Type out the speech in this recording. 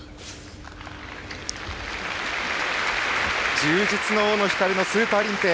充実の大野ひかるのスーパーリンペイ。